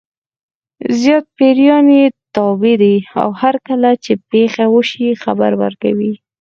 زیات پیریان یې تابع دي او هرکله چې پېښه وشي خبر ورکوي.